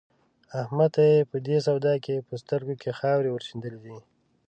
احمد ته يې په دې سودا کې په سترګو کې خاورې ور شيندلې دي.